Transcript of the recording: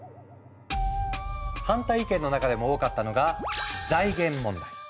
反対意見の中でも多かったのが財源問題。